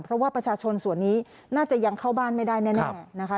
เพราะว่าประชาชนส่วนนี้น่าจะยังเข้าบ้านไม่ได้แน่นะคะ